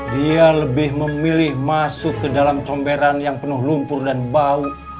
dia lebih memilih masuk ke dalam comberan yang penuh lumpur dan bau